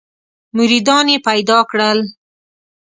مریدان یې پیدا کړل.